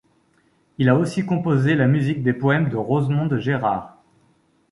Il a aussi composé la musique de poèmes de Rosemonde Gérard.